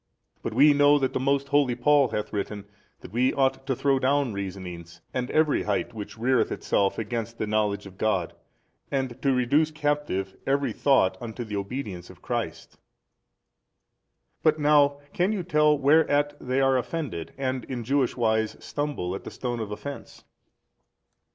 But we know that the most holy Paul hath written that we ought to throw down reasonings and every height which reareth itself against the knowledge of God and to reduce captive every thought unto the obedience of Christ. But now, can you tell whereat they are offended and in Jewish wise stumble at the stone of offence?